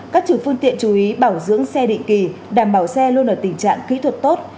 các chủ phương tiện chú ý bảo dưỡng xe định kỳ đảm bảo xe luôn ở tình trạng kỹ thuật tốt